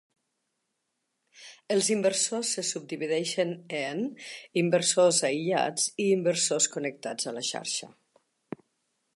Els inversors se subdivideixen en: inversors aïllats i inversors connectats a la xarxa.